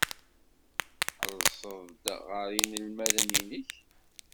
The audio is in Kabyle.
Tḥellseḍ-d ɣer yinelmaden-nnek.